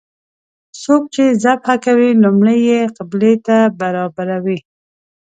څوک چې ذبحه کوي لومړی یې قبلې ته برابروي.